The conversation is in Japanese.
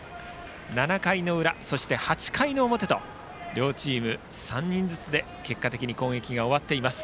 ７回の裏、そして８回の表と両チーム、３人ずつで結果的に攻撃が終わっています。